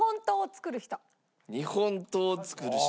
日本刀を作る人。